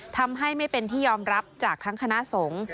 ทำให้ไม่เป็นที่ยอมรับจากทั้งคณะสงฆ์